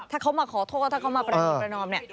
ถ้าเขามาขอโทษถ้าเขามาประณีประนอมเนี่ย